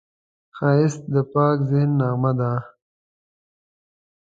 ښایست د پاک ذهن نغمه ده